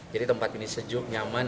jadi tempat ini sejuk nyaman